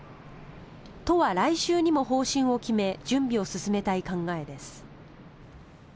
都は来週にも方針を決め準備を進めたい考えです。